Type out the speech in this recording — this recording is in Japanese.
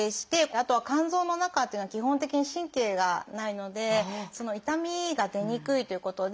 あとは肝臓の中というのは基本的に神経がないので痛みが出にくいということで。